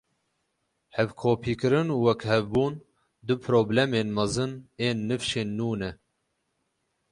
Hevkopîkirin û wekhevbûn du problemên mezin ên nivşên nû ne.